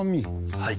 はい。